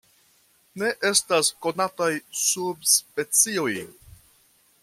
Ne estas konataj subspecioj.